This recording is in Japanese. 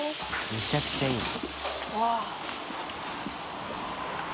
めちゃくちゃいいな。